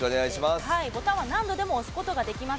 ボタンは何度でも押すことができます。